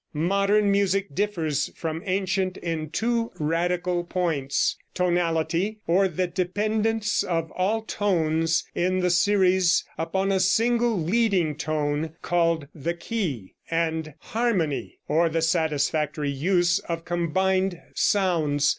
Modern music differs from ancient in two radical points: Tonality, or the dependence of all tones in the series upon a single leading tone called the Key; and Harmony, or the satisfactory use of combined sounds.